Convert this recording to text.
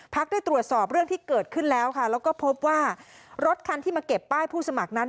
ได้ตรวจสอบเรื่องที่เกิดขึ้นแล้วค่ะแล้วก็พบว่ารถคันที่มาเก็บป้ายผู้สมัครนั้น